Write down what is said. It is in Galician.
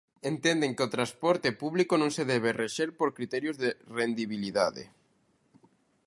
Entenden que o transporte público non se debe rexer por criterios de rendibilidade.